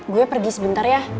gue pergi sebentar ya